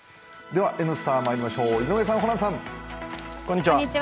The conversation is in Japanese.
では「Ｎスタ」まいりましょう井上さん、ホランさん。